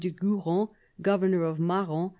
de Guron, governor of Marans, M.